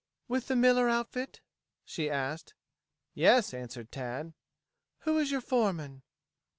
"With the Miller outfit?" she asked. "Yes," answered Tad. "Who is your foreman?"